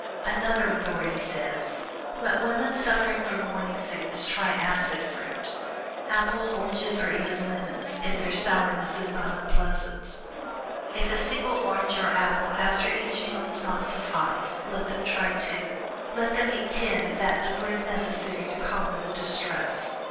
Another authority says: "Let women suffering from morning sickness try acid fruit apples, oranges, or even lemons, if their sourness is not unpleasant. If a single orange or apple after each meal does not suffice, let them try two; let them eat ten if that number is necessary to conquer the distress.